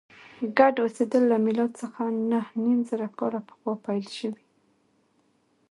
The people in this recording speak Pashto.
ګډ اوسېدل له میلاد څخه نهه نیم زره کاله پخوا پیل شوي.